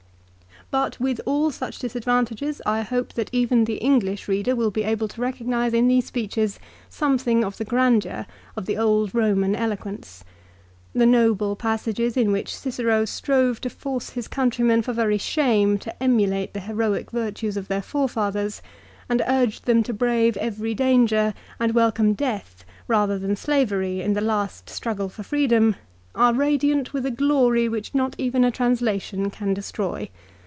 " But with all such disadvantages I hope that even the English reader will be able to recognise in these speeches something of the grandeur of the old Eoman eloquence. The noble passages in which Cicero strove to force his countrymen for very shame to emulate the heroic virtues of their forefathers, and urged them to brave every danger and welcome death rather than slavery in the last struggle for freedom, are radiant with a glory which not even a translation can destroy.